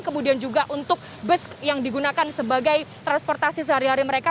kemudian juga untuk bus yang digunakan sebagai transportasi sehari hari mereka